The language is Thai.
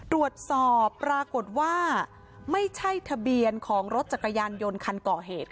ตรวจสอบปรากฏว่าไม่ใช่ทะเบียนของรถจักรยานยนต์คันก่อเหตุ